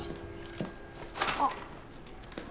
あっ。